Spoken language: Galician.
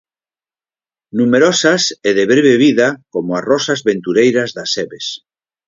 Numerosas e de breve vida como as rosas ventureiras das sebes.